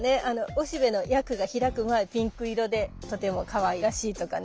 おしべのヤクが開く前ピンク色でとてもかわいらしいとかね。